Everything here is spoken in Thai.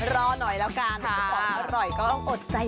รอหน่อยแล้วกันของอร่อยก็ต้องอดใจ